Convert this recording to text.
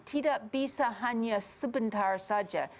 tidak bisa hanya sebentar saja